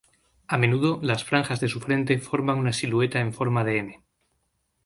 A menudo las franjas de su frente forman una silueta en forma de "M".